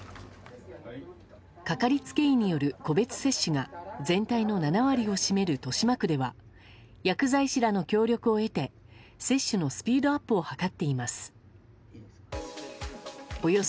かかりつけ医による個別接種が全体の７割を占める豊島区では薬剤師らの協力を得て接種のスピードアップを図っています。